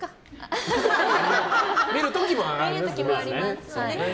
見る時もあります。